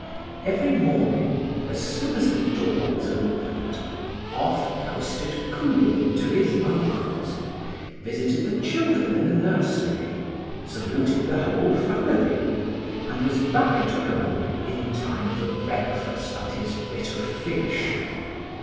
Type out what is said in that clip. Every morning, as soon as the door was opened, off posted Coolin to his uncle's, visited the children in the nursery, saluted the whole family, and was back at home in time for breakfast and his bit of fish.